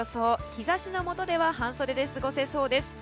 日差しの下では半袖で過ごせそうです。